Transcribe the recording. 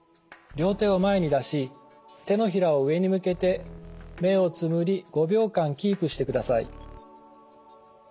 両手を前に出し手のひらを上に向けて目をつむり５秒間キープしてください。